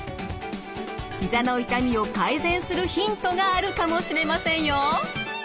ひざの痛みを改善するヒントがあるかもしれませんよ。